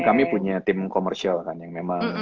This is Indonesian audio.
kami punya tim komersial kan yang memang